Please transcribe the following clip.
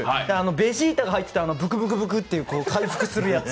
ベジータが入ってたブクブクブクっていう回復するやつ？